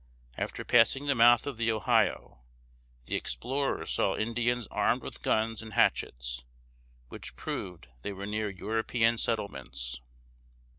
After passing the mouth of the Ohio, the explorers saw Indians armed with guns and hatchets, which proved they were near European settlements.